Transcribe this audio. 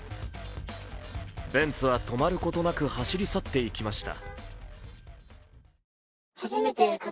ベンツは止まることなく走り去っていきました。